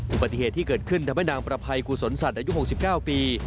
อุบัติเหตุที่เกิดขึ้นทำให้นางประภัยกุศลสัตว์อายุ๖๙ปี